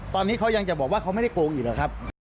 ตอนนี้เขายังจะบอกว่าเขาไม่ได้โกงอีกหรอกครับ